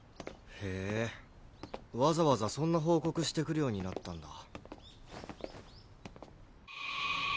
へぇわざわざそんな報告してくるようになったんだ。